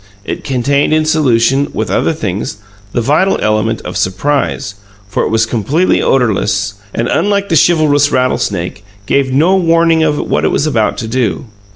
It contained in solution, with other things, the vital element of surprise, for it was comparatively odourless, and, unlike the chivalrous rattlesnake, gave no warning of what it was about to do.